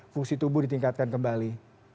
fungsi tubuh ditingkatkan kembali